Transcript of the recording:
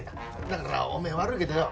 だからおめえ悪いけどよ